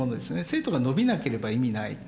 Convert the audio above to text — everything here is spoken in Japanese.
生徒が伸びなければ意味ない。